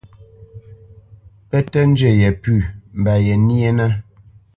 Pə́ tə́ njə yepʉ̂ mba yenyénə́.